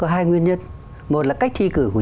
hai nguyên nhân một là cách thi cử của